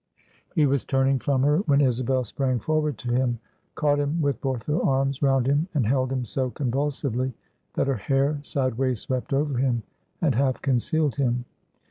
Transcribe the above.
He was turning from her, when Isabel sprang forward to him, caught him with both her arms round him, and held him so convulsively, that her hair sideways swept over him, and half concealed him.